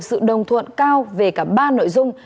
sự đồng thuận cao về cả ba nội dung